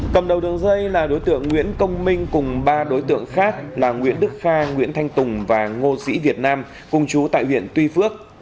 cầm đầu đường dây là đối tượng nguyễn công minh cùng ba đối tượng khác là nguyễn đức kha nguyễn thanh tùng và ngô sĩ việt nam cùng chú tại huyện tuy phước